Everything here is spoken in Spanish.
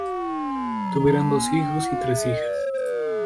Tuvieron dos hijos y tres hijas.